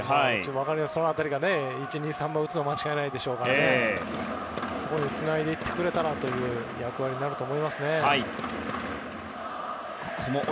その辺りが１、２、３番を打つのは間違いないでしょうからそこに、つないでいってくれたらという役割になると思います。